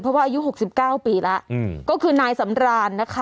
เพราะว่าอายุหกสิบเก้าปีแล้วอืมก็คือนายสำรานนะคะ